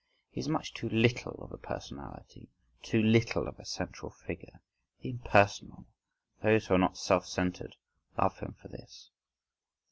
He is much too little of a personality, too little of a central figure.… The "impersonal," those who are not self centred, love him for this.